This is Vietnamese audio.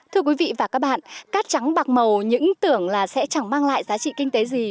thưa quý vị và các bạn cát trắng bạc màu những tưởng là sẽ chẳng mang lại giá trị kinh tế gì